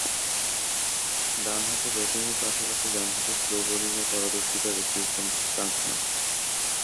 ডানহাতে ব্যাটিংয়ের পাশাপাশি ডানহাতে স্লো বোলিংয়েও পারদর্শীতা দেখিয়েছেন ফ্রাঙ্ক মান।